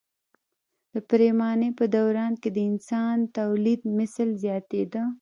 د پریمانۍ په دوران کې د انسان تولیدمثل زیاتېده.